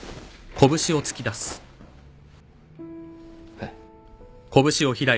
えっ？